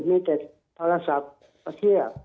มีแต่โทรศัพท์ประเทศประเทศกองอยู่ตรงนี้